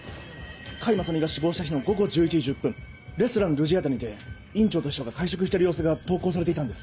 甲斐正美が死亡した日の午後１１時１０分レストランルジアーダにて院長と秘書が会食してる様子が投稿されていたんです。